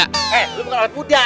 eh lu bukan awet muda